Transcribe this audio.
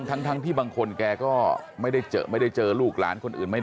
ทั้งที่บางคนแกก็ไม่ได้เจอไม่ได้เจอลูกหลานคนอื่นไม่